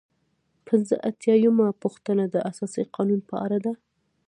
پنځه اتیا یمه پوښتنه د اساسي قانون په اړه ده.